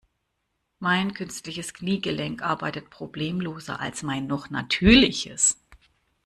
Mein künstliches Kniegelenk arbeitet problemloser als mein noch natürliches.